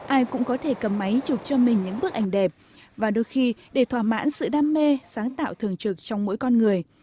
ai cũng có thể cầm máy chụp cho mình những bức ảnh đẹp và đôi khi để thỏa mãn sự đam mê sáng tạo thường trực trong mỗi con người